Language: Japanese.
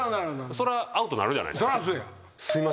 そらアウトなるじゃないですか。